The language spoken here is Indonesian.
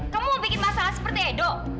kamu mau bikin masalah seperti edo